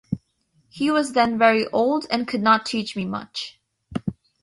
He was then very old, and could not teach me much.